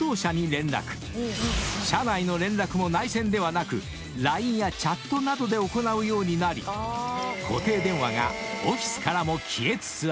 ［社内の連絡も内線ではなくＬＩＮＥやチャットなどで行うようになり固定電話がオフィスからも消えつつある］